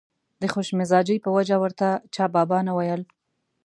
د خوش مزاجۍ په وجه ورته چا بابا نه ویل.